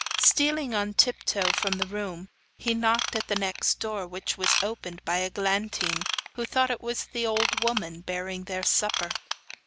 Stealing on tip toe from the room, he knocked at the next door, which was opened by Eglantine, who thought it was the old woman bearing their supper.